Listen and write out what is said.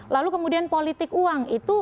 lalu kemudian politik uang itu